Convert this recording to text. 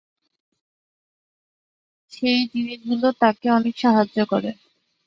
সেই জিনিসগুলি তাকে অনেক সাহায্য করে।